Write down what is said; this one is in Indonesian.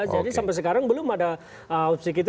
jadi sampai sekarang belum ada opsi kita